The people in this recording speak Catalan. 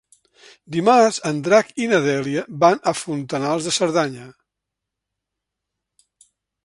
Dimarts en Drac i na Dèlia van a Fontanals de Cerdanya.